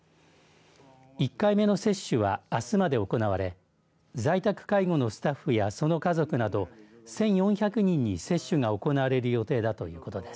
１回目の接種は、あすまで行われ在宅介護のスタッフやその家族など１４００人に接種が行われる予定だということです。